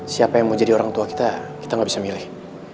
siapa yang mau jadi orang tua kita kita gak bisa milih